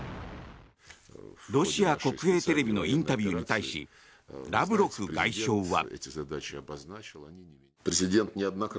ロシア国営テレビのインタビューに対しラブロフ外相は。